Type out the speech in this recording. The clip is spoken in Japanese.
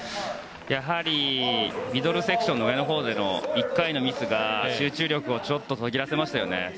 やはりミドルセクションの上のほうでの１回のミスが集中力を途切らせましたね。